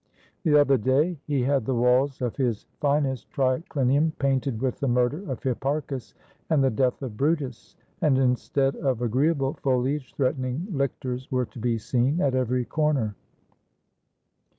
The other day he had the walls of his fin est triclinium painted with the murder of Hipparchus, and the death of Brutus; and instead of agreeable foliage, threatening lictors were to be seen at every corner."